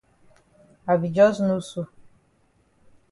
I be jus know so.